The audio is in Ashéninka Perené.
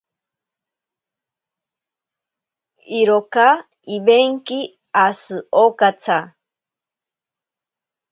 Iroka iwenki ashi okatsa.